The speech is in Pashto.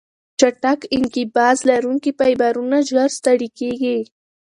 چټک انقباض لرونکي فایبرونه ژر ستړې کېږي.